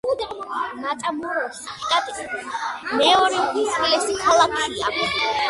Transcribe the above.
მატამოროსი შტატის მეორე უმსხვილესი ქალაქია.